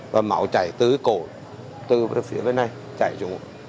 và máu chảy từ cổ từ phía bên này chạy xuống